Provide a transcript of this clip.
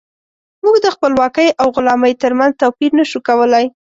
موږ د خپلواکۍ او غلامۍ ترمنځ توپير نشو کولی.